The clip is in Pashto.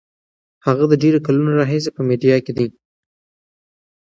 هغه د ډېرو کلونو راهیسې په میډیا کې دی.